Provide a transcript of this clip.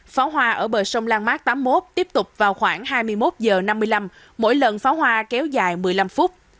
pháo hoa ở bờ sông lan mát tám mươi một tiếp tục vào khoảng hai mươi một h năm mươi năm mỗi lần pháo hoa kéo dài một mươi năm phút